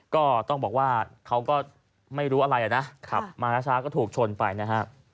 ก็ต้องบอกว่าเขาก็ไม่รู้อะไรนะขับมาช้าก็ถูกชนไปนะฮะ